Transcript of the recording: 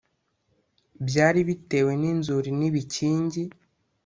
byari bitewe n inzuri n ibikingi